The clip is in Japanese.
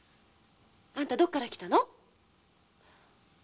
あんたどこから来たの？